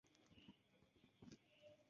ikso